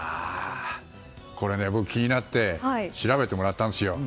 僕、気になって調べてもらったんです。